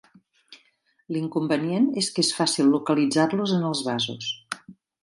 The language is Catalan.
L'inconvenient és que és fàcil localitzar-los en els vasos.